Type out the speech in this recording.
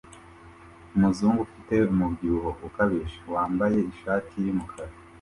Umuzungu ufite umubyibuho ukabije wambaye ishati yumukara